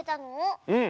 うん。